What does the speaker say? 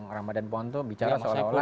tadi bang ramadhan pohon itu bicara seolah olah